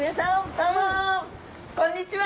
どうもこんにちは！